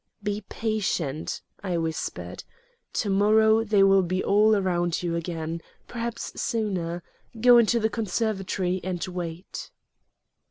"Be patient!" I whispered. "To morrow they will be all around you again. Perhaps sooner. Go into the conservatory and wait."